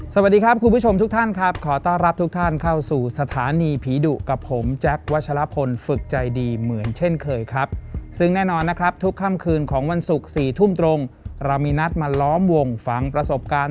สวัสดีครับคุณผู้ชมทุกท่านครับขอต้อนรับทุกท่านเข้าสู่สถานีผีดุกับผมแจ๊ควัชลพลฝึกใจดีเหมือนเช่นเคยครับซึ่งแน่นอนนะครับทุกค่ำคืนของวันศุกร์๔ทุ่มตรงเรามีนัดมาล้อมวงฟังประสบการณ์